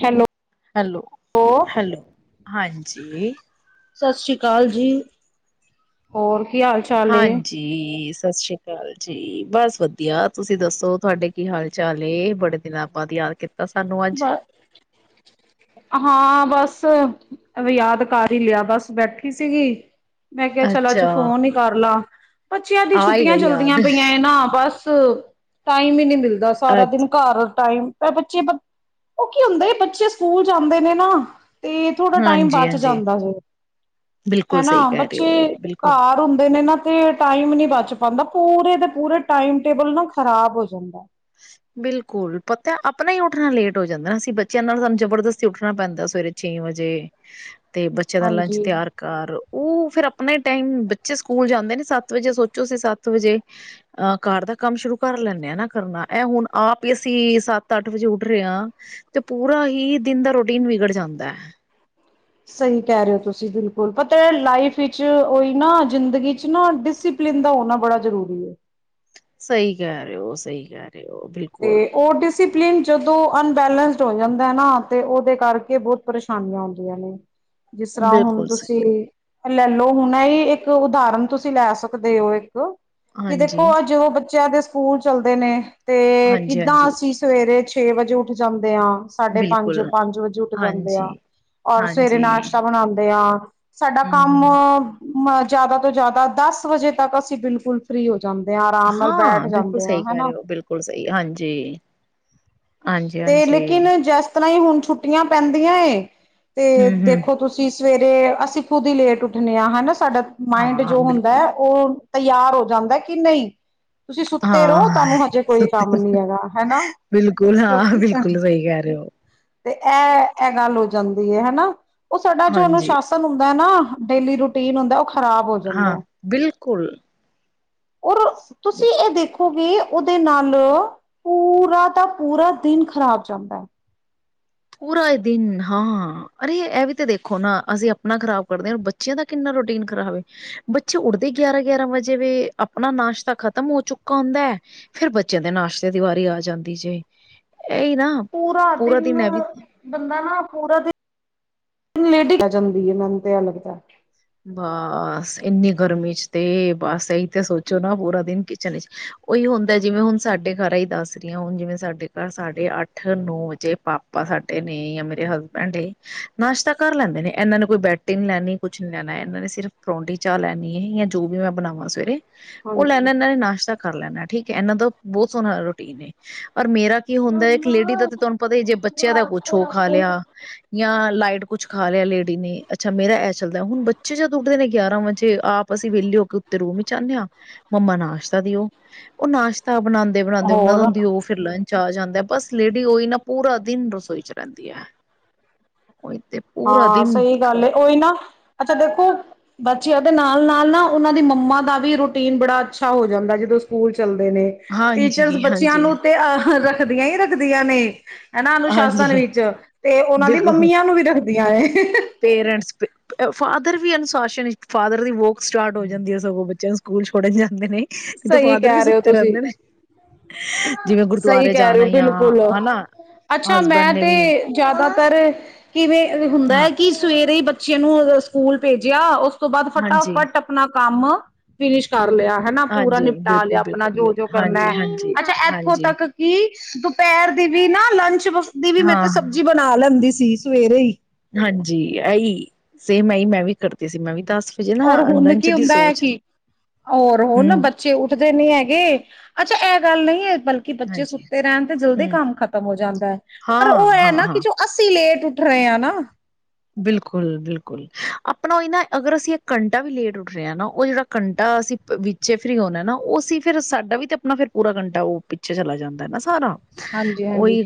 ਚਲੋ। Hello, hello ਹਾਂਜੀ। ਸਤਿ ਸ੍ਰੀ ਅਕਾਲ ਜੀ, ਹੋਰ ਕੀ ਹਾਲ ਚਾਲ ਏ? ਜੀ, ਸਤਿ ਸ਼੍ਰੀ ਅਕਾਲ ਜੀ, ਬਸ ਵਧੀਆ, ਤੁਸੀਂ ਦੱਸੋ ਤੁਹਾਡੇ ਕੀ ਹਾਲ ਚਾਲ ਨੇ ਬੜੇ? ਜ ਆਪਾਂ ਯਾਦ ਕੀਤਾ ਸਾਨੂੰ ਅੱਜ। ਹਾਂ, ਬਸ ਯਾਦ ਕਰ ਹੀ ਲਿਆ ਬਸ ਬੈਠੀ ਸੀਗੀ। ਮੈਂ ਕਿਹਾ ਚਲ ਅੱਜ ਅੱਛਾ, ਫੋਨ ਹੀ ਕਰ ਲਾ ਬੱਚਿਆਂ ਦੀ ਆ ਹੀ ਛੁੱਟੀਆਂ ਗਈ ਚੱਲਦੀਆਂ ਯਾਦ, ਪਈਆਂ ਇਹ ਨਾ ਬਸ। ਬਸ ਟਾਈਮ ਹੀ ਨੀ ਮਿਲਦਾ ਸਾਰਾ ਅੱਛਾ ਦਿਨ ਘਰ ਟਾਈਮ ਇਹ ਬੱਚੇ। ਉਹ ਕੀ ਹੁੰਦਾ ਬੱਚੇ ਸਕੂਲ ਜਾਂਦੇ ਨੇ ਨਾ ਤੇ ਥੋੜਾ ਟਾਈਮ ਹਾਂਜੀ, ਬਚ ਹਾਂਜੀ। ਜਾਂਦਾ ਜੇ। ਬਿਲਕੁਲ ਸਹੀ ਹਨਾ ਕਹਿ ਰਹੇ ਬੱਚੇ ਹੋ, ਬਿਲਕੁਲ। ਘਰ ਹੁੰਦੇ ਨੇ ਨਾ। ਤੇ ਟਾਈਮ ਨੀ ਬਚ ਪਾਉਂਦਾ ਪੂਰੇ ਤੇ ਪੂਰੇ ਟਾਈਮ ਟੇਬਲ ਨਾ ਖ਼ਰਾਬ ਹੋ ਜਾਂਦਾ। ਬਿਲਕੁਲ ਪਤਾ ਆਪਣਾ ਹੀ ਉੱਠਣਾ ਲੇਟ ਹੋ ਜਾਂਦਾ ਅਸੀਂ ਬੱਚਿਆਂ ਨਾਲ ਸਾਨੂੰ ਜਬਰਦਸਤੀ ਉੱਠਣਾ ਪੈਂਦਾ ਸਵੇਰੇ। ਛੇ ਵਜੇ। ਤੇ ਬੱਚਿਆਂ ਦਾ ਲੰਚ ਹਾਂਜੀ ਤਿਆਰ ਕਰ ਉਹ ਫਿਰ। ਆਪਣੇ ਟਾਈਮ ਬੱਚੇ ਸਕੂਲ ਜਾਂਦੇ ਨੇ ਸੱਤ ਵਜੇ। ਸੋਚੋ ਤੁਸੀ ਸੱਤ ਸੱਤ ਵਜੇ ਅਹ ਘਰ ਦਾ ਕੰਮ ਸ਼ੁਰੂ ਕਰ ਲੈਂਦੇ ਆ ਨਾ ਕਰਨਾ। ਇਹ ਹੁਣ ਆਪ ਹੀ ਅਸੀਂ ਸੱਤ ਅੱਠ ਵਜੇ ਉੱਡ ਰਹੇ ਹਾਂ। ਤੇ ਪੂਰਾ ਹੀ ਦਿਨ ਦਾ ਰੋਟੀਨ ਵਿਗੜ ਜਾਂਦਾ। ਸਹੀ ਕਹਿ ਰਹੇ ਹੋ ਤੁਸੀਂ ਬਿਲਕੁਲ ਪਤਾ ਲਾਈਫ ਵਿੱਚ ਉਈ ਨਾ ਜ਼ਿੰਦਗੀ ਚ ਨਾ ਡਿਸ ਡਿਸਿਪਲਿਨ ਦਾ ਹੋਣਾ ਬੜਾ ਜ਼ਰੂਰੀ ਏ। ਸਹੀ ਕਹਿ ਰਹੇ ਹੋ, ਸਹੀ ਕਹਿ ਰਹੇ ਹੋ, ਬਿਲਕੁਲ। ਤੇ ਉਹ। ਡਿਸਿਪਲਿਨ ਜਦੋਂ ਅਨਬੈਲੈਂਸਡ ਹੋ ਜਾਂਦਾ ਨਾ ਤੇ ਉਹਦੇ ਕਰਕੇ ਬਹੁਤ ਪਰੇਸ਼ਾਨੀਆਂ ਆਉਂਦੀਆਂ ਨੇ। ਜਿਸ ਤਰ੍ਹਾਂ ਹੁਣ ਬਿਲਕੁਲ ਸ ਤੁਸੀਂ। ਲੈ ਲੋ ਇਹ ਹੁਣ ਇੱਕ ਉਦਾਹਰਣ ਤੁਸੀਂ ਲੈ ਸਕਦੇ ਹੋ। ਇੱਕ ਕਿ ਹਾਂਜੀ ਦੇਖੋ ਅੱਜ ਉਹ ਬੱਚਿਆਂ ਦੇ ਸਕੂਲ ਚੱਲਦੇ ਨੇ। ਤੇ ਹਾਂਜੀ ਕਿੱਦਾਂ ਹਾਂਜੀ ਅਸੀਂ ਸਵੇਰੇ ਛੇ ਵਜੇ ਉੱਠ ਜਾਂਦੇ ਆ। ਸਾਢੇ ਪੰਜ ਬਿਲਕੁਲ ਪੰਜ ਵਜੇ ਉੱਠ ਜਾਂਦੇ ਆ ਹਾਂਜੀ ਔਰ ਸਵੇਰੇ ਹਾਂਜੀ ਨਾਸ਼ਤਾ ਬਣਾਉਂਦੇ ਆ। ਸਾਡਾ ਹਮ ਕੰਮ ਹਮ ਜ਼ਿਆਦਾ ਤੋਂ ਜ਼ਿਆਦਾ ਦਸ ਵਜੇ ਤੱਕ ਅਸੀਂ ਬਿਲਕੁਲ ਫ੍ਰੀ ਹੋ। ਜਾਂਦੇ ਆ ਆਰਾਮ ਨਾਲ ਬੈਠ ਜਾਂਦੇ ਆ ਹਨਾ। ਹੋਰ ਸਹੀ ਹਾਂਜੀ। ਹਾਂਜੀ ਤੇ ਹਾਂਜੀ ਲੇਕਿਨ ਜਿਸ ਤਰ੍ਹਾਂ ਹੀ ਹੁਣ ਛੁੱਟੀਆਂ ਪੈਂਦੀਆਂ ਏ ਤੇ ਹਮ ਹਮ ਦੇਖੋ ਤੁਸੀਂ ਤੁਸੀਂ ਸਵੇਰੇ ਅਸੀਂ ਖੁਦ ਹੀ ਲੇਟ ਉੱਠਣੇ ਆਂ ਹਨਾ ਸਾਡਾ ਮਾਇੰਡ ਹਾਂ ਜੋ ਹੁੰਦਾ ਬਿਲਕੁਲ ਹੈ ਉਹ ਤਿਆਰ ਹੋ ਜਾਂਦਾ ਕਿ ਨਹੀਂ ਤੁਸੀਂ ਸੁੱਤੇ ਹਾਂ ਰਹੋ ਤੁਹਾਨੂੰ ਹਜੇ ਕੋਈ ਕੰਮ ਸੁੱਤੇ ਨਹੀਂ ਹੈਗਾ ਹਨਾ। ਬਿਲਕੁਲ, ਹਾਂ ਕਿਉਂਕਿ ਬਿਲਕੁਲ ਸਹੀ ਕਹਿ ਰਹੇ ਹੋ। ਤੇ ਇਹ ਇਹ ਗੱਲ ਹੋ ਜਾਂਦੀ ਐ ਹਨਾ ਉਹ ਸਾਡਾ ਜੋ ਹਾਂਜੀ ਅਨੁਸ਼ਾਸਨ ਹੁੰਦਾ ਨਾ ਡੇਲੀ ਰੂਟੀਨ ਹੁੰਦਾ ਉਹ ਖਰਾਬ ਹੋ ਹਾਂ ਜਾਂਦਾ ਬਿਲਕੁਲ। ਔਰ ਤੁਸੀਂ ਇਹ ਦੇਖੋਗੇ ਉਹਦੇ ਨਾਲ ਪੂਰਾ ਤਾਂ ਪੂਰਾ ਦਿਨ ਖ਼ਰਾਬ ਜਾਂਦਾ। ਪੂਰਾ ਦਿਨ ਹਾਂ ਅਰੇ ਇਹ ਵੀ ਤਾਂ ਦੇਖੋ ਨਾ ਅਸੀਂ ਆਪਣਾ ਖ਼ਰਾਬ ਕਰਦੇ ਹਾਂ ਬਚ ਬੱਚਿਆਂ ਦਾ ਕਿੰਨਾ ਰੋਟੀਨ ਖਰਾਬ ਵੇ ਬੱਚੇ ਉੱਡਦੇ ਗਿਆਰਾਂ ਗਿਆਰਾਂ ਵਜੇ ਵੇ ਆਪਣਾ ਨਾਸ਼ਤਾ ਖ਼ਤਮ ਹੋ ਚੁੱਕਾ ਹੁੰਦਾ ਵੈ। ਫੇਰ ਬੱਚਿਆਂ ਦੇ ਨਾਸ਼ਤੇ ਦੀ ਵਾਰੀ ਆ ਜਾਂਦੀ ਜੇ ਇਹੀ ਨਾ ਪੂਰਾ ਦਿਨ ਬੰਦਾ ਨਾ ਪੂਰਾ ਦਿਨ [unintelligible] ਆ ਜਾਂਦੀ ਐ ਮੈਨੂੰ ਤੇ ਐ ਲੱਗਦਾ। ਬਸ ਇੰਨੀ ਗਰਮੀ ਚ ਤੇ ਬਸ ਇਹੀ ਤੇ ਸੋਚੋ ਨਾ ਪੂਰਾ ਦਿਨ ਕਿਚਨ ਉਹੀ ਹੁੰਦਾ ਜਿਵੇਂ ਹੁਣ ਸਾਡੇ ਘਰਾਂ ਹੀ ਦੱਸ ਰਹੀ ਹਾਂ ਹੁਣ ਜਿਵੇਂ ਸਾਡੇ ਘਰ ਸਾਡੇ ਅੱਠ ਨੌ ਵਜੇ ਪਾ [unintelligible] ਸਾਡੇ ਨੇ ਜਾਂ ਮੇਰੇ ਹਸਬੈਂਡ ਨਾਸ਼ਤਾ ਕਰ ਲੈਂਦੇ ਨੇ ਇਹਨਾਂ ਨੇ ਕੋਈ ਬੈਡ ਟੀ ਨੀ ਲੈਣੀ ਕੁ ਕੁਛ ਨੀ ਲੈਣਾ ਇਹਨਾਂ ਨੇ ਸਿਰਫ ਪਰੌਂਠੀ ਚਾਹ ਲੈਣੀ ਹੈ ਜਾਂ ਜੋ ਵੀ ਮੈਂ ਬਣਾਵਾਂ ਸਵੇਰੇ। ਉਹ ਲੈਣਾ ਹਾਂਜੀ। ਇਹਨਾਂ ਨੇ ਨਾਸ਼ਤਾ ਕਰ ਲੈਣਾ ਠੀਕ ਹੈ ਇਹਨਾਂ ਦਾ ਬਹੁਤ ਸੋਹਣਾ ਰੂਟੀਨ ਔਰ ਮੇਰਾ ਕੀ ਹੁੰਦਾ ਇੱਕ ਲੇਡੀ ਦਾ ਤੇ ਤੁਹਾਨੂੰ ਪਤਾ ਹੀ ਜੇ ਬੱਚਿਆਂ ਦਾ ਕੁਛ ਓ ਖਾ ਲਿਆ। ਜਾਂ ਲਾਈਟ ਕੁਛ ਖਾ ਲਿਆ ਲੇਡੀ ਨੇ ਅੱਛਾ ਮੇਰਾ ਚੱਲਦਾ ਹੁਣ ਬੱਚੇ ਜਦ ਉੱਠਦੇ ਨੇ ਗਿਆਰਾਂ ਵਜੇ ਆਪ ਅਸੀਂ ਵਿਹਲੇ ਹੋ ਕੇ ਉਤੇ ਰੋਬ ਜਮਾਨੇ ਹਾਂ। ਮੰਮਾ ਨਾਸ਼ਤਾ ਦਿਓ ਉਹ ਨਾਸ਼ਤਾ ਬਣਾਉਂਦੇ, ਬਣਾਉਂਦੇ ਉਹਨਾਂ ਦਾ ਹੋਰ ਹੁੰਦੀ ਉਹ ਫਿਰ ਲੰਚ ਆ ਜਾਂਦਾ ਬਸ ਲੇਡੀ ਉਹੀ ਨਾ ਪੂਰਾ ਦਿਨ ਰਸੋਈ ਚ ਰਹਿੰਦੀ ਹੈ। ਉੱਹੀ ਤੇ ਪੂਰਾ ਹਾਂ ਦਿਨ ਸਹੀ ਗੱਲ ਖ਼ਰਾਬ ਉਹੀ ਜਾਂਦਾ ਨਾ ਅੱਛਾ ਦੇਖੋ। ਬੱਚਿਆਂ ਉਹਦੇ ਨਾਲ ਨਾਲ ਨਾ ਉਹਨਾਂ ਦੀ ਮੰਮਾ ਦਾ ਵੀ ਰੂਟੀਨ ਬੜਾ ਅੱਛਾ ਹੋ ਜਾਂਦਾ ਜਦੋਂ ਸਕੂਲ ਚੱਲਦੇ ਨੇ ਟੀਚਰਸ ਹਾਂਜੀ ਬੱਚਿਆਂ ਹਾਂਜੀ ਨੂੰ ਤੇ ਅ ਰੱਖਦੀਆਂ ਹੀ ਰੱਖਦੀਆਂ ਨੇ ਹਨਾ ਅਨੁਸ਼ਾਸਨ ਹਾਂਜੀ ਵਿੱਚ ਤੇ ਉਹਨਾਂ ਦੀ ਬਿਲਕੁਲ ਮੰਮੀਆਂ ਨੂੰ ਵੀ ਰੱਖਦੀ ਹ [unintelligible] ਪੇਰੈਂਟਸ ਫਾਦਰ ਵੀ ਅਨੁਸ਼ਾਸਨ ਫਾਦਰ ਦੀ ਵਰਕ ਸਟਾਰਟ ਹੋ ਜਾਂਦੀ ਹੈ ਸਗੋਂ ਬੱਚਿਆਂ ਨੂੰ ਸਕੂਲ ਛੋੜਨ ਜਾਂਦੇ ਨੇਤੇ ਸਹੀ ਫਾਦਰ ਵੀ ਕਹਿ ਰਹੇ ਹੋ ਸੁੱਤੇ ਤੁਸੀਂ ਰਹਿੰਦੇ ਨੇ। ਜਿਵੇਂ ਸਹੀ ਗੁਰਦੁਆਰੇ ਕਹਿ ਰਹੇ ਜਾਣਾ ਹੋ ਆ ਬਿਲਕੁਲ ਹਨਾ। ਅੱਛਾ ਹਸਬੈਂਡ ਮੈਂ ਨੇ ਤੇ ਵੀ ਜ਼ਿਆਦਾਤਰ ਕਿਵੇਂ ਹੁੰਦਾ ਹੈ ਹਾਂ ਕਿ ਸਵੇਰੇ ਹੀ ਬੱਚੇ ਨੂੰ ਸਕੂਲ ਭੇਜਿਆ ਉਸ ਤੋਂ ਬਾਅਦ ਹਾਂਜੀ ਫਟਾਫਟ ਆਪਣਾ ਕੰਮ ਫਿਨਿਸ਼ ਕਰ ਲਿਆ ਹਨਾ। ਪੂਰਾ ਹਾਂਜੀ ਨਿਪਟਾ ਬਿਲਕੁਲ ਲਿਆ ਆਪਣਾ ਬਿਲਕੁਲ ਜੋ ਜੋ ਬਿਲਕੁਲ ਕਰਨਾ ਹਾਂਜੀ ਹਾਂਜੀ ਅੱਛਾ ਇੱਥੋਂ ਹਾਂਜੀ ਤੱਕ ਕਿ ਦੁਪਹਿਰ ਦੀ ਵੀ ਨਾ ਲੰਚ ਦੀ ਵੀ ਮੈਂ ਹਾਂ ਤੇ ਸਬਜ਼ੀ ਬਣਾ ਲੈਂਦੀ ਸੀ ਸਵੇਰੇ ਹੀ। ਹਾਂਜੀ ਆਈ ਸੇਮ ਆਈ ਮੈਂ ਵੀ ਕਰਦੀ ਸੀ ਮੈਂ ਵੀ ਦੱਸ ਔਰ ਹੁਣ ਕੀ ਹੁੰਦਾ ਹੈ ਕਿ ਹੋਰ ਹੁਣ ਹਮ ਬੱਚੇ ਉੱਠਦੇ ਨੀ ਹੈਗੇ? ਅੱਛਾ ਇਹ ਗੱਲ ਨਹੀਂ ਏ ਬਲਕਿ ਬੱਚੇ ਹਾਂਜੀ ਸੁੱਤੇ ਰਹਿਣ ਤੇ ਜਲਦੀ ਹਮ ਕੰਮ ਖ਼ਤਮ ਹੋ ਜਾਂਦਾ ਐ? ਹਾਂ ਹਾਂ। ਨਾ ਹਾਂ ਕਿ ਜੋ ਅਸੀਂ ਲੇਟ ਉੱਠ ਰਹੇ ਹਾਂ ਨਾ ਬਿਲਕੁਲ ਬਿਲਕੁਲ ਆਪਣਾ ਨਾ ਅਗਰ ਅਸੀਂ ਇੱਕ ਘੰਟਾ ਵੀ ਲੇਟ ਉੱਠ ਰਹੇ ਹਾਂ ਨਾ ਉਹ ਜਿਹੜਾ ਘੰਟਾ ਅਸੀਂ ਵਿੱਚੇ ਫਰੀ ਹੋਣਾ ਨਾ ਉਹ ਸੀ ਫਿਰ ਸਾਡਾ ਵੀ ਤਾਂ ਆਪਣਾ ਫਿਰ ਪੂਰਾ ਘੰਟਾ ਉਹ ਪਿੱਛੇ ਚਲਾ ਜਾਂਦਾ ਨਾ ਸਾਰਾ। ਹਾਂਜੀ ਹਾਂਜੀ ਉਹੀ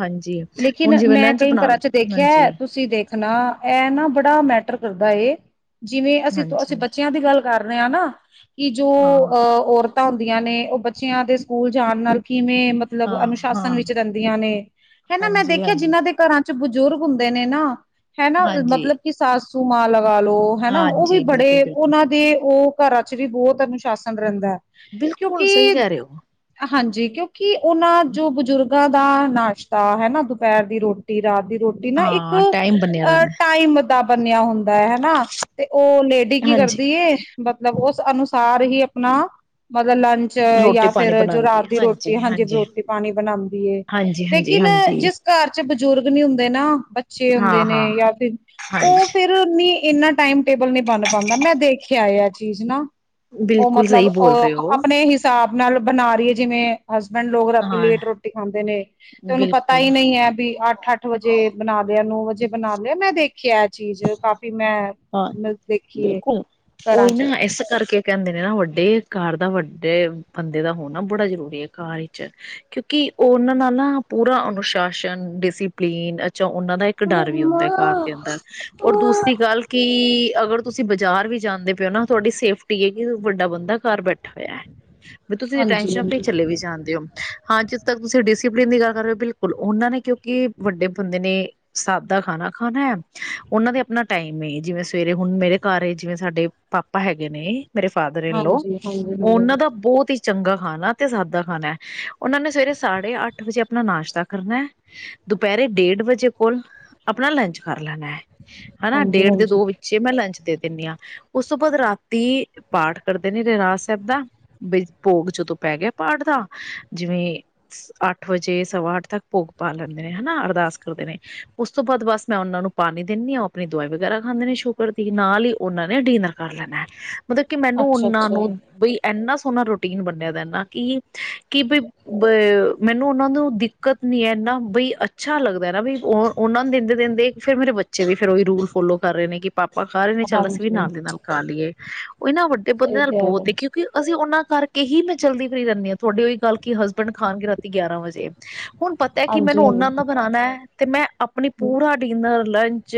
ਹਾਂਜੀ ਹੁਣ ਲੇਕਿਨ ਜਿਵੇਂ ਮੈਂ ਲੰਚ ਕਈ ਬਣਾਉਣ ਘਰਾਂ ਚ ਦੇਖਿਆ ਹਾਂਜੀ ਤੁਸੀਂ ਦੇਖ ਹਣਾ ਇਹ ਨਾ ਬੜਾ ਮੈਟਰ ਕਰਦਾ ਏ ਜਿਵੇਂ ਅਸੀਂ ਅਸੀਂ ਹਾਂਜੀ ਬੱਚਿਆਂ ਦੀ ਗੱਲ ਕਰ ਰਿਹਾ ਨਾ, ਕਿ ਜੋ ਹਾਂ ਹਾਂ ਅਹ ਔਰਤ ਤਾਂ ਹੁੰਦੀਆਂ ਨੇ, ਉਹ ਬੱਚਿਆਂ ਦੇ ਸਕੂਲ ਜਾਣ ਨਾਲ ਕਿਵੇਂ ਮਤਲਬ ਹਾਂ ਅਨ ਹਾਂ ਆਸਨ ਵਿੱਚ ਰਹਿੰਦੀਆਂ ਨੇ, ਹਨਾ ਮੈਂ ਹਾਂਜੀ ਦੇਖਿਆ ਹਾਂਜੀ ਜਿਹਨਾਂ ਦੇ ਘਰਾਂ ਵਿੱਚ ਬਜ਼ੁਰਗ ਹੁੰਦੇ ਨੇ ਨਾ ਹੈਨਾ ਹਾਂਜੀ ਮਤਲਬ ਕਿ ਸਾਸੂ ਮਾਂ ਲਗਾ ਲੋ, ਹੈਨਾ ਉਹ ਵੀ ਹਾਂਜੀ ਬੜੇ ਬਿਲਕੁਲ ਬਿਲਕੁਲ ਉਹਨਾਂ ਦੇ ਉਹ ਘਰਾਂ ਚ ਵੀ ਬਹੁਤ ਅਨੁਸ਼ਾਸਨ ਰਹਿੰਦਾ, ਬਿਲਕੁਲ ਕਿਉਂਕਿ ਸਹੀ ਕਹਿ ਰਹੇ ਹੋ ਹਾਂਜੀ, ਕਿਉਂਕਿ ਉਹਨਾਂ ਜੋ ਬਜ਼ੁਰਗਾਂ ਦਾ ਨਾਸ਼ਤਾ ਹੈ, ਨਾ ਦੁਪਹਿਰ ਦੀ ਰੋਟੀ, ਰਾਤ ਦੀ ਰੋਟੀ, ਨਾ ਇੱਕ ਹਾਂ ਟਾਈਮ ਬਣਿਆ ਅਹ ਰਹਿੰਦਾ ਟਾਈਮ ਦਾ ਬਣਿਆ ਹੁੰਦਾ ਹਨਾ, ਤੇ ਉਹ ਲੇਡੀ ਕੀ ਹਾਂਜੀ ਕਰਦੀ ਏ ਮਤਲਬ ਉਸ ਅਨੁਸਾਰ ਹੀ ਆਪਣਾ, ਮਤਲਬ ਲੰ ਚ ਰੋਟੀ ਜਾਂ ਪਾਣੀ ਫਿਰ ਜੋ ਬਣਾਉਂਦੀ ਰਾਤ ਹੈ ਦੀ ਰੋਟੀ ਐ, ਹਾਂਜੀ ਰੋ ਪਾਣੀ ਬਣਾਂਦੀ ਏ, ਹਾਂਜੀ ਹਾਂਜੀ ਲੇਕਿਨ ਹਾਂਜੀ ਜਿਸ ਘਰ ਚ ਬਜ਼ੁਰਗ ਨੀ ਹੁੰਦੇ ਨਾ ਬੱਚੇ ਹੁੰਦੇ ਹਾਂ ਹਾਂ ਨੇ, ਜਾਂ ਫਿਰ ਹਾਂਜੀ ਉਹ ਫਿਰ ਨਹੀਂ, ਇੰਨਾ ਟਾਈਮ ਟੇਬਲ ਨਹੀਂ ਬਣ ਪਾਂਦਾ, ਮੈਂ ਦੇਖਿਆ ਏ ਆਹ ਚੀਜ਼ ਨਾ। ਉਹ ਬਿਲਕੁਲ ਮਤਲਬ ਸਹੀ ਬੋਲ ਅ ਰਹੇ ਹੋ ਆਪਣੇ ਹਿਸਾਬ ਨਾਲ ਬਣਾ ਰਹੀ ਏ, ਜਿਵੇਂ ਹਸਬੈਂਡ ਲੋਕ ਰਾਤੀ ਹਾਂ ਲੇਟ ਰੋਟੀ ਖਾਂਦੇ ਨੇ, ਤੇ ਉਹਨੂੰ ਪਤਾ ਬਿਲਕੁਲ ਹੀ ਨਈ ਐ ਵੀ ਅੱਠ-ਅੱਠ ਅੱਠ ਵਜੇ ਬਣਾ ਲਿਆ, ਨੌ ਵਜੇ ਬਣਾ ਲਿਆ, ਮੈਂ ਦੇਖ ਕਿ ਆ ਚੀਜ਼, ਕਾਫੀ ਮੈਂ ਹਾਂ ਮ ਦੇਖੀਏ ਬਿਲਕੁਲ ਘਰਾਂ ਉਹੀ ਚ ਨਾ ਇਸ ਕਰਕੇ ਕਹਿੰਦੇ ਨੇ ਨਾ ਵੱਡੇ ਘਰ ਦਾ ਵੱਡੇ ਬੰਦੇ ਦਾ ਹੋਣਾ ਬੜਾ ਜ਼ਰੂਰੀ ਐ ਘਰ ਵਿੱਚ। ਕਿਉਂਕਿ ਉਹ ਉਹਨਾਂ ਨਾਲ ਨਾ ਪੂਰਾ ਅਨੁਸ਼ਾਸਨ, ਡਿਸੀਪਲੀਨ ਚ ਉਹਨਾਂ ਦਾ ਇੱਕ ਡਰ ਵੀ ਹੁੰਦਾ ਘਰ ਦੇ ਅੰਦਰ, ਔਰ ਦੂਸਰੀ ਗੱਲ ਕਿ ਕਿ ਅਗਰ ਤੁਸੀਂ ਬਾਜ਼ਾਰ ਵੀ ਜਾਂਦੇ ਪਏ ਹੋ ਨਾ ਤੁਹਾਡੀ ਸੇਫਟੀ ਐ, ਕਿ ਵੱਡਾ ਬੰਦਾ ਘਰ ਬੈਠਾ ਹੋਇਆ। ਵੀ ਤੁਸੀਂ ਟੈਨਸ਼ਨ ਫਰੀ ਹਾਂਜੀ-ਹਾਂਜੀ, ਚਲੇ ਵੀ ਜਾਣਦੇ ਹੋ। ਹਾਂ ਜਿੱਥੇ ਤੱਕ ਤੁਸੀਂ ਡਿਸਪਲਿਨ ਦੀ ਗੱਲ ਕਰ ਰਹੇ ਹੋ, ਬਿਲਕੁਲ ਉਹਨਾਂ ਨੇ ਕਿਉਂਕਿ ਵੱਡੇ ਬੰਦੇ ਨੇ ਸਾਦਾ ਖਾਣਾ ਖਾਣਾ ਐ। ਉਹਨਾਂ ਦੇ ਆਪਣਾ ਟਾਈਮ ਏ, ਜਿਵੇਂ ਸਵੇਰੇ ਹੁਣ ਮੇਰੇ ਘਰ ਜਿਵੇਂ ਸਾਡੇ ਪਾਪਾ ਹੈਗੇ ਨੇ ਮੇਰੇ ਫਾਦਰ ਇਨ ਲੋ, ਹਾਂਜੀ-ਹਾਂਜੀ, ਉਹਨਾਂ ਦਾ ਬਹੁਤ ਹੀ ਚੰਗਾ ਖਾਣਾ ਤੇ ਸਾਦਾ ਖਾਣਾ, ਉਹਨਾਂ ਨੇ ਸਵੇਰੇ ਸਾਢੇ ਅੱਠ ਵਜੇ ਆਪਣਾ ਨਾਸ਼ਤਾ ਕਰਨਾ। ਦੁਪਹਿਰੇ ਡੇਢ ਵਜੇ ਕੋਲ ਆਪਣਾ ਲੰਚ ਕਰ ਲੈਣਾ, ਹਨਾ ਡੇਢ ਦੇ ਹਾਂਜੀ-ਹਾਂਜੀ, ਦੋ ਵਿੱਚ ਤੇ ਮੈਂ ਲੰਚ ਦੇ ਦਿੰਨੀ ਆਂ, ਉਸ ਤੋਂ ਬਾਅਦ ਰਾਤੀ ਪਾਠ ਕਰਦੇ ਨੇ ਰਹਿਰਾਸ ਸਹਿਬ ਦਾ। ਬਈ ਭੋਗ ਜਦੋਂ ਪੈ ਗਿਆ ਪਾਠ ਦਾ, ਜਿਵੇਂ ਅੱਠ ਵਜੇ ਸਵਾ ਅੱਠ ਤੱਕ ਭੋਗ ਪਾ ਲੈਂਦੇ ਨੇ ਹਨਾ, ਅਰਦਾਸ ਕਰਦੇ ਨੇ ਉਸ ਤੋਂ ਬਾਅਦ ਬਸ ਮੈਂ ਉਹਨਾਂ ਨੂੰ ਪਾਣੀ ਦਿੰਨੀ ਆਂ, ਓਹ ਆਪਣੀ ਦਵਾਈ ਵਗੈਰਾ ਖਾਂਦੇ ਨੇ ਸ਼ੂਕਰ ਦੀ, ਨਾਲ ਹੀ ਉਹਨਾਂ ਨੇ ਡਿਨਰ ਕਰ ਲੈਣਾ। ਮਤਲਬ ਕਿ ਮੈਨੂੰ ਉਹਨਾਂ ਅੱਛਾ-ਅੱਛਾ, ਨੂੰ ਹਾਂਜੀ ਬਈ ਇੰਨਾ ਸੋਹਣਾ ਰੂਟੀਨ ਬਣਿਆ ਦਾ ਨਾ ਕਿ-ਕਿ ਬਈ ਬ ਮੈਨੂੰ ਉਹਨਾਂ ਨੂੰ ਦਿੱਕਤ ਨੀ ਐ, ਐਨਾ ਬਈ ਅੱਛਾ ਲੱਗਦਾ ਨਾ ਵੀ, ਉਹ ਉਹਨਾਂ ਨੂੰ ਦਿੰਦੇ-ਦਿੰਦੇ ਦੇਖ ਫਿਰ ਮੇਰੇ ਬੱ ਬੱਚੇ ਵੀ ਫੇਰ ਉਹੀ ਰੂਲ ਫੋਲੋ ਕਰ ਰਹੇ ਨੇ, ਕਿ ਪਾਪਾ ਖਾ ਰਹੇ ਨੇ ਹਾਂਜੀ ਹਾਂਜੀ ਅੱਛਾ ਅੱਛਾ ਚੱਲ ਅਸੀਂ ਵੀ ਹਾਂਜੀ ਨਾਲ ਦੀ ਨਾਲ ਖਾ ਲਈਏ, ਉਹ ਇਹ ਨਾ ਵੱਡ ਡੇ ਬੰਦੇ ਸਹੀ ਨਾਲ ਕਹਿ ਬਹੁਤ ਰਹੇ ਦੇਖੀ ਕਿ ਅਸੀਂ ਉਹਨਾਂ ਕਰਕੇ ਹੀ ਮੈਂ ਜਲਦੀ ਫਰੀ ਰਹਿੰਨੀ ਆਂ, ਤੁਹਾਡੀ ਉਹੀ ਗੱਲ ਕਿ ਹਸਬੈਂਡ ਖਾਣਗੇ ਰਾਤੀ ਗਿਆਰਾਂ ਵਜੇ। ਹੁਣ ਪਤਾ ਐ ਕਿ ਮੈਨੂੰ ਉਹਨਾਂ ਦਾ ਹਾਂਜੀ-ਹਾਂਜੀ ਬਣਾਣਾ ਐ, ਤੇ ਮੈਂ ਆਪਣੀ ਪੂਰਾ ਡੀਨਰ, ਲੰਚ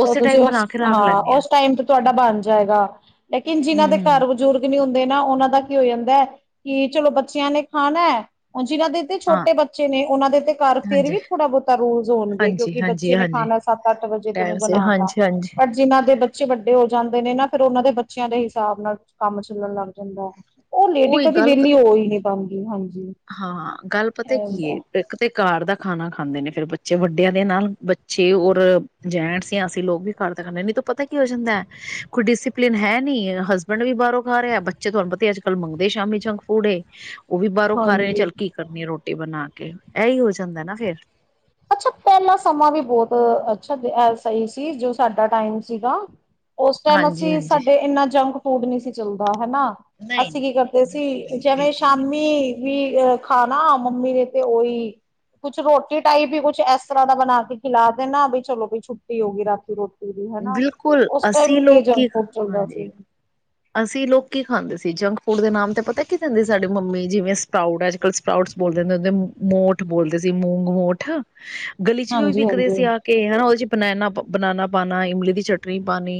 ਸੋ ਉਸੇ ਤੁਸੀਂ ਟਾਈਮ ਓਸ ਬਣਾ ਕੇ ਰੱਖ ਹਾਂ, ਲੈਂਦੀ ਓਸ ਟਾਈਮ ਤੇ ਤੁਹਾਡਾ ਹਮ ਬਣ ਜਾਏਗਾ, ਲੇਕਿਨ ਜਿਨਾਂ ਦੇ ਹਮ ਘਰ ਬਜ਼ੁਰਗ ਨੀਹੁੰਦੇ ਨਾ ਉਹਨਾਂ ਦਾ ਕੀ ਹੋ ਜਾਂਦਾ ਕਿ ਚਲੋ ਬੱਚਿਆਂ ਨੇ ਖਾਣਾ, ਹੁਣ ਜਿਹਨਾਂ ਦੇ ਹਾਂ ਛੋਟੇ-ਛੋਟੇ ਬੱਚੇ ਨੇ ਉਹਨਾਂ ਦੇ ਤੇ ਘਰ ਫੇਰ ਹਾਂਜੀ ਵੀ ਥੋੜਾ ਬਹੁਤਾ ਰੂਲਜ਼ ਹੋਣਗੇ, ਹਾਂਜੀ ਕਿਉਂਕਿ ਹਾਂਜੀ ਬੱਚੇ ਨੇ ਹਾਂਜੀ ਖਾਣਾ ਸੱਤ ਅੱਠ ਵਜੇ। ਟਾਈਮ ਸਿਰ ਹਾਂਜੀ ਹਾਂਜੀ ਜਿਨ੍ਹਾਂ ਦੇ ਬੱਚੇ ਵੱਡੇ ਹੋ ਜਾਂਦੇ ਨੇ ਨਾ, ਫਿਰ ਉਹਨਾਂ ਦੇ ਬੱਚਿਆਂ ਦੇ ਹਿਸਾਬ ਨਾਲ ਕੰਮ ਚੱਲਣ ਲੱਗ ਜਾਂਦਾ, ਉਹ ਲੇਡੀ ਉਹੀ ਕਦੀ ਗੱਲ ਵਿਹਲੀ ਹੋ ਹੀ ਨਹੀਂ ਪਾਂਦੀ, ਹਾਂਜੀ। ਹਾਂ, ਗੱਲ ਪਤਾ ਇਹ ਕੀ ਏ ਹੁੰਦਾ। ਇੱਕ ਤੇ ਘਰ ਦਾ ਖਾਣਾ ਖਾਂਦੇ ਨੇ ਫੇਰ ਬੱਚੇ ਵੱਡਿਆਂ ਦੇ ਨਾਲ, ਬੱਚੇ ਔਰ ਜੈਂਟਸ ਜਾਂ ਅਸੀਂ ਲੋਕ ਵੀ ਘਰ ਦਾ ਖਾਂਨੇ ਆਂ, ਨਈ ਤੇ ਪਤਾ ਕੀ ਹੋ ਜਾਂਦਾ, ਕੋਈ ਡਿਸਿਪਲਿਨ ਹੈ ਨੀ ਹਸ ਹਸਬੈਂਡ ਵੀ ਬਾਹਰੋਂ ਖਾ ਰਿਹਾ, ਬੱਚੇ ਤੁਹਾਨੂੰ ਪਤਾ ਅੱਜ-ਕੱਲ ਮੰਗਦੇ ਸ਼ਾਮੀ ਜੰਕ ਫੂਡ ਏ, ਉਹ ਵੀ ਬਾ ਘਰ ਵਿੱਚ ਹਾਂਜੀ ਕੀ ਕਰਨੀ ਆ ਰੋਟੀ ਬਣਾ ਕੇ ਇਹੀ ਹੋ ਜਾਂਦਾ ਨਾ ਫਿਰ ਅੱਛਾ ਪਹਿਲਾਂ ਸਮਾਂ ਵੀ ਬਹੁਤ ਅੱਛਾ ਸਹੀ ਸੀ ਜੋ ਸਾਡਾ ਟਾਈਮ ਸੀਗਾ। ਉਸ ਟਾਈਮ ਹਾਂਜੀ ਅਸੀਂ ਹਾਂਜੀ ਸਾਡੇ ਇੰਨਾ ਜੰਕ ਫੂਡ ਨਹੀਂ ਸੀ ਚੱਲਦਾ ਹਨਾ। ਨਹੀਂ ਅਸੀਂ ਕੀ ਨਹੀਂ ਨਹੀਂ ਕਰਦੇ ਸੀ ਜਿਵੇਂ ਬਿਲਕੁਲ ਵੀ ਨਹੀਂ ਬਿਲਕੁਲ ਵੀ ਸ਼ਾਮੀ ਨਹੀਂ ਵੀ ਅ ਖਾਣਾ ਮੰਮੀ ਨੇ ਤੇ ਉਹੀ ਕੁਛ ਰੋਟੀ ਟਾਈਪ ਹੀ ਕੁਛ ਇਸ ਤਰ੍ਹਾਂ ਦਾ ਬਣਾ ਕੇ ਖਿਲਾ ਦੇਣਾ ਵੀ ਚਲੋ ਬਈ ਛੁੱਟੀ ਹੋ ਗਈ ਰਾਤੀ ਰੋਟੀ ਦੀ ਹਨਾ ਬਿਲਕੁਲ ਉਸ ਟਾਈਮ ਅਸੀਂ ਨਹੀਂ ਲੋਕ ਕੀ ਜੰਕ ਫੂਡ ਚੱਲਦਾ ਹਾਂਜੀ ਸੀ। ਅਸੀਂ ਲੋਕੀ ਖਾਂਦੇ ਸੀ ਜੰਕ ਫੂਡ ਦੇ ਨਾਮ ਤੇ ਪਤਾ ਕੀ ਦਿੰਦੇ ਸਾਡੀ ਮੰਮੀ ਜਿਵੇਂ ਸਪਰਾਉਟ ਅੱਜ ਕੱਲ ਸਪਰਾਉਟ ਬੋਲ ਦਿੰਦੇ ਹੁੰਦੇ ਮੋਠ ਬੋਲਦੇ ਸੀ ਮੂੰਗ ਮੋਠ [inaudible] ਗਲੀ ਚ ਵੀ ਉਹ ਵੀ ਵਿਕਦੇ ਹਾਂਜੀ-ਹਾਂਜੀ ਸੀ ਆ ਕੇ ਹਨਾ ਉਹਦੇ ਚ ਬਣੈਣਾ ਬਨਣਾ ਪਾਉਣਾ ਇਮਲੀ ਦੀ ਚਟਨੀ ਪਾਣੀ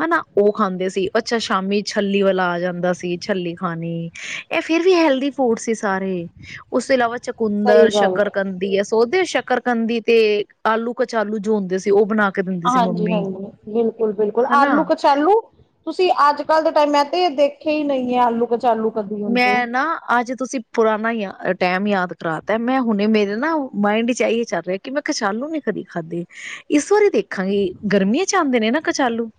ਹਨਾ ਉਹ ਖਾਂਦੇ ਸੀ ਅੱਛਾ ਸ਼ਾਮੀ ਛਲੀ ਵਾਲਾ ਆ ਜਾਂਦਾ ਸੀ ਛਲੀ ਖਾਣੀ ਇਹ ਫਿਰ ਵੀ ਹੈਲਦੀ ਫੂਡ ਸੀ ਸਾਰੇ ਉਸ ਤੋਂ ਇਲਾਵਾ ਸਹੀ ਚਕੁੰਦਰ ਗੱਲ ਹੈ। ਸ਼ੱਕਰ ਕੰਦੀ ਹੈ ਸੋਦੇ ਸ਼ੱਕਰ ਕੰਦੀ ਤੇ ਆਲੂ ਕਚਾਲੂ ਜੋ ਹੁੰਦੇ ਸੀ ਉਹ ਬਣਾ ਕੇ ਦਿੰਦੀ ਸੀ ਹਾਂਜੀ ਮੰਮੀ ਹਾਂਜੀ ਬਿਲਕੁਲ ਬਿਲਕੁਲ ਹਨਾ ਆਲੂ ਕ ਕਚਾਲੂ ਤੁਸੀਂ ਅੱਜ ਕੱਲ ਦੇ ਟਾਈਮ ਤੇ ਇਹ ਦੇਖੇ ਹੀ ਨਹੀਂ ਹੈ ਆਲੂ ਕਚਾਲੂ ਕਦੀ ਹੁਣ ਤੇ ਮੈਂ ਨਾ ਅੱਜ ਤੁਸੀਂ ਪੁਰਾਣਾ ਯ ਟੈਮ ਯਾਦ ਕਰਾਤਾ ਮੈਂ ਹੁਣੇ ਮੇਰੇ ਨਾ ਮਾਇੰਡ ਚ ਇਹੀ ਚੱਲ ਰਿਹਾ ਕਿ ਮੈਂ ਕਚਾਲੂ ਨਹੀਂ ਕਦੇ ਖਾਧੇ ਇਸ ਵਾਰੀ ਦੇਖਾਂਗੀ ਗਰਮੀਆਂ ਚ ਆਉਂਦੇ ਨੇ ਨਾ ਕਚਾਲੂ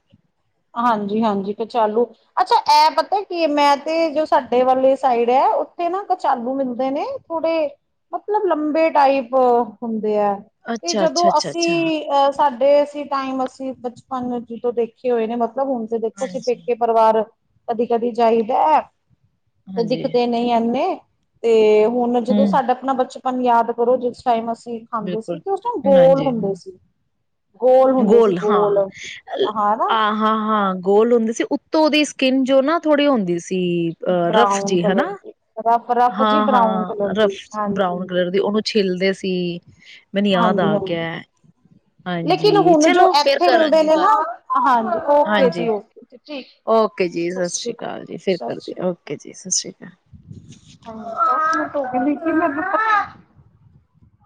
ਹਾਂਜੀ ਹਾਂਜੀ ਕਚਾਲੂ ਅੱਛਾ ਇਹ ਪਤਾ ਕੀ ਮੈਂ ਤੇ ਜੋ ਸਾਡੇ ਵਾਲੇ ਸਾਈਡ ਹੈ ਉੱਥੇ ਨਾ ਕਚਾਲੂ ਮਿਲਦੇ ਨੇ ਥੋੜੇ ਮਤਲਬ ਲੰਬੇ ਟਾਈਪ ਹੁੰਦੇ ਹੈ। ਤੇ ਅੱਛਾ ਜਦੋਂ ਅੱਛਾ ਅੱਛਾ ਅੱਛਾ ਅਸੀਂ ਅ ਸਾਡੇ ਸੀ ਟਾਈਮ ਅਸੀਂ ਬਚਪਨ ਜਦੋਂ ਦੇਖੇ ਹੋਏ ਨੇ ਮਤਲਬ ਹੁਣ ਤੇ ਦੇਖੋ ਸੀ ਹਾਂਜੀ ਪੇਕੇ ਪਰਿਵਾਰ ਕਦੀ ਕਦੀ ਜਾਈਦਾ ਤੇ ਹਾਂਜੀ ਦਿਖਦੇ ਨਹੀਂ ਐਨੇ ਤੇ ਹੁਣ ਜਦੋਂ ਹਮ ਸਾਡਾ ਆਪਣਾ ਬਚਪਨ ਹੁਣ ਯਾਦ ਕਰੋ ਜਿਸ ਟਾਈਮ ਅਸੀਂ ਖਾਂਦੇ ਬਿਲਕੁਲ ਸੀ ਤੇ ਉਸ ਟਾਈਮ ਗੋਲ ਹਾਂਜੀ ਹੁੰਦੇ ਸੀ। ਗੋਲ ਹੁੰਦੇ ਸੀ ਗੋਲ ਹਾਂ ਨਾ ਆਹ ਹਾਂ ਹਾਂ ਗੋਲ ਹੁੰਦੀ ਸੀ ਉੱਤੋਂ ਉਹਦੀ ਸਕਿੰਨ ਜੋ ਨਾ ਥੋੜੀ ਹੁੰਦੀ ਸੀ। ਸੀ ਅ ਰਫ ਬਰਾਊਨ ਜੀ ਕਲਰ ਹਨਾ ਦੀ ਰਫ ਰਫ ਜੀ ਹਾਂ ਬਰਾਊਨ ਕਲਰ ਹਾਂ ਰਫ ਦੀ ਹਾਂਜੀ ਬਰਾਊਨ ਕਲਰ ਦੀ ਉਹਨੂੰ ਛੀਲਦੇ ਸੀ। ਮੈਨੂੰ ਯਾਦ ਹਾਂਜੀ ਆ ਹਾਂਜੀ ਗਿਆ ਲੇਕਿਨ ਹਾਂਜੀ ਹੁਣ ਜੋ ਚਲੋ ਫੇਰ ਇੱਥੇ ਮਿਲਦੇ ਕਰਾਂਗੀ ਨੇ ਨਾ ਗੱਲ ਹਾਂਜੀ ਓਕੇ ਜੀ ਹਾਂਜੀ ਓਕੇ ਠੀਕ ਓਕੇ ਜੀ ਸਤਿ ਸ਼੍ਰੀ ਅਕਾਲ ਜੀ ਫਿਰ ਕਰਦੇ ਓਕੇ ਜੀ ਸਤਿ ਸ਼੍ਰੀ ਅਕਾਲ ਦਸ ਮਿੰਟ ਹੋ ਗਏ ਨੇ